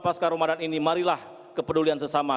pasca ramadan ini marilah kepedulian sesama